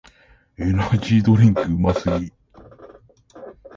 エナジードリンクうますぎ